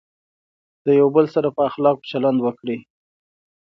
د یو بل سره په اخلاقو چلند وکړئ.